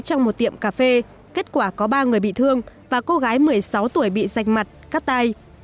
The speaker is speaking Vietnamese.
trong một tiệm cà phê kết quả có ba người bị thương và cô gái một mươi sáu tuổi bị dạch mặt cắt tai